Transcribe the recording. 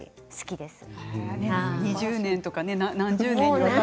２０年とか何十年とか。